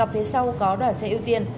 phía sau có đoàn xe ưu tiên